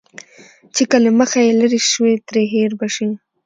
چې که له مخه يې لرې شوې، ترې هېر به شې.